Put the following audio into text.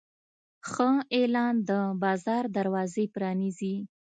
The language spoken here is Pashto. ښه اعلان د بازار دروازې پرانیزي.